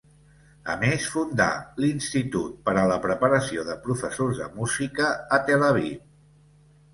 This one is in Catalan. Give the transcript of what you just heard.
A més, fundà, l'Institut per a la preparació de professors de música, a Tel Aviv.